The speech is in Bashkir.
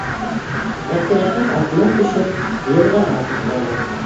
Әптеләхәт, атынан төшөп, йылғаға атланы.